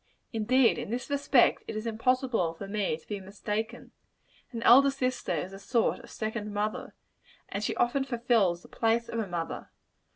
Indeed, in this respect, it is impossible for me to be mistaken. An elder sister is a sort of second mother; and she often fulfils the place of a mother.